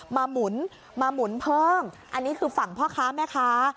หมุนมาหมุนเพิ่มอันนี้คือฝั่งพ่อค้าแม่ค้า